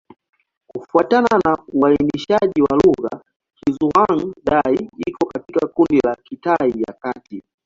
Kufuatana na uainishaji wa lugha, Kizhuang-Dai iko katika kundi la Kitai ya Kati.